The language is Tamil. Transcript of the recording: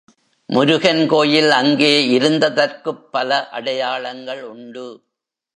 முருகன் கோயில் அங்கே இருந்ததற்குப் பல அடையாளங்கள் உண்டு.